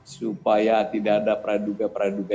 supaya tidak ada praduga praduga